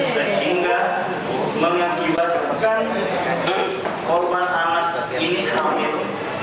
sehingga mengakibatkan korban anak ini hamil